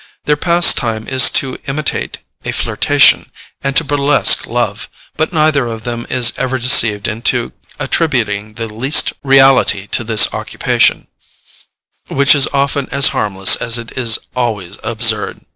Their pastime is to imitate a flirtation, and to burlesque love, but neither of them is ever deceived into attributing the least reality to this occupation, which is often as harmless as it is always absurd.